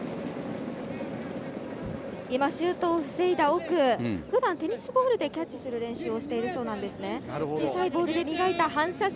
今、シュートを防いだ奥、普段テニスボールでキャッチする練習をしているそうです。